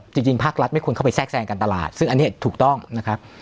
จริงภาครัฐไม่ควรเข้าไปแทรกแทรงการตลาดซึ่งอันนี้ถูกต้องนะครับ